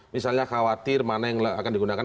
misalnya khawatir mana yang akan digunakan